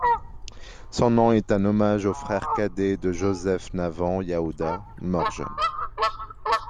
Son nom est un hommage au frère cadet de Joseph Navon, Yehuda, mort jeune.